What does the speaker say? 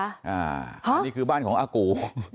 อันนี้คือบ้านของอากู